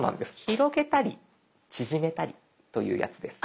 広げたり縮めたりというやつです。